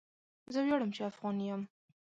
زه وياړم چي افغان يم.